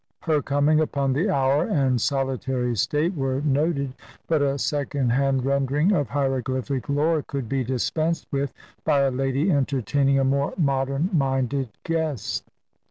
Her coming upon the hour and solitary state were noted, but a second hand rendering of hieroglyphic lore could be dispensed with by a lady entertaining a more modern minded guest.